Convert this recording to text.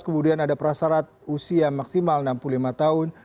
kemudian ada prasarat usia maksimal enam puluh lima tahun